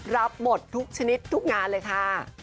รับหมดทุกชนิดทุกงานเลยค่ะ